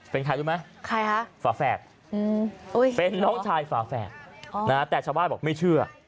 เป็นใครรู้ไหมใครคะฝาแฝดเป็นน้องชายฝาแฝดแต่ชาวบ้านบอกไม่เชื่อ